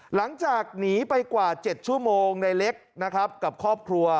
หลังจากหนีไปกว่า๗ชั่วโมงในเล็กนะครับกับครอบครัว